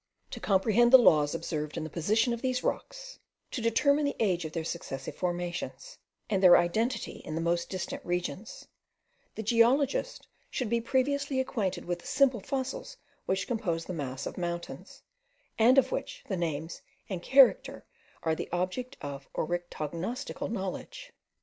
To comprehend the laws observed in the position of these rocks, to determine the age of their successive formations, and their identity in the most distant regions, the geologist should be previously acquainted with the simple fossils which compose the mass of mountains, and of which the names and character are the object of oryctognostical knowledge.